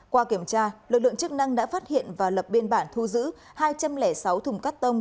qua kiểm tra lực lượng chức năng đã phát hiện và lập biên bản thu giữ hai trăm linh sáu thùng cắt tông